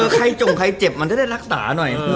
ใครจงใครเจ็บมันได้รักสา